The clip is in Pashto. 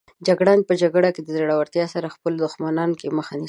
جګړن په جګړه کې د زړورتیا سره د خپلو دښمنانو مخه نیسي.